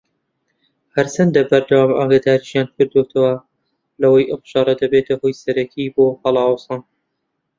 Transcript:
هەرچەندە بەردەوام ئاگاداریشیان کردۆتەوە لەوەی ئەم شەڕە دەبێتە هۆی سەرەکیی بۆ هەڵاوسان